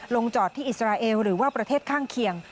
ลงจอดที่อิสราเอลหรือว่าประเทศข้างเคียง